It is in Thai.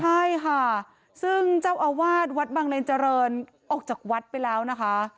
ใช่ค่ะซึ่งเจ้าอาวาสวัดบังเลนเจริญออกจากวัดไปแล้วนะคะ